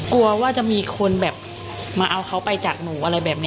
กลัวว่าจะมีคนแบบมาเอาเขาไปจากหนูอะไรแบบนี้